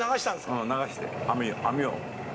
うん、流してる、網を。